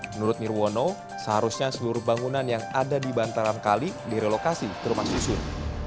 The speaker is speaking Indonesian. menurut nirwono seharusnya seluruh bangunan yang ada di bantaran kali direlokasi ke rumah susun